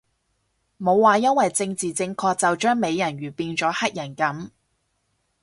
冇話因為政治正確就將美人魚變咗黑人噉